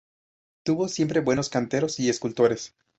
Tuvo siempre buenos canteros y escultores.